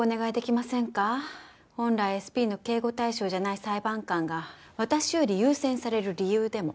本来ＳＰの警護対象じゃない裁判官が私より優先される理由でも？